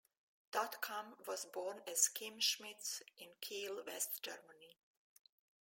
Dotcom was born as Kim Schmitz in Kiel, West Germany.